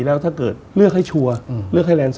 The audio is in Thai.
แล้วถ้าเชิดเลือกให้ชัวร์